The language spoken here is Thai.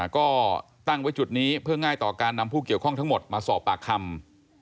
ก็ตั้งไว้จุดนี้เพื่อง่ายต่อการนำผู้เกี่ยวข้องทั้งหมดมาสอบปากคำ